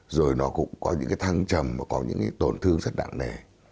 rồi nó cũng có những cái thăng trầm và có những cái tổn thương rất đặng đề